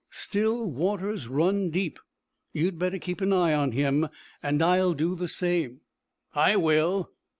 "Still waters run deep. You'd better keep an eye on him, and I'll do the same." "I will."